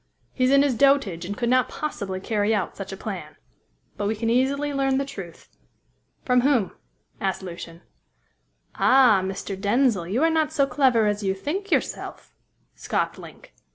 He's in his dotage, and could not possibly carry out such a plan. But we can easily learn the truth." "From whom?" asked Lucian. "Ah, Mr. Denzil, you are not so clever as you think yourself," scoffed Link.